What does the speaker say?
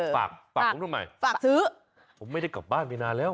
ฝากฝากผมทำไมฝากซื้อผมไม่ได้กลับบ้านไปนานแล้ว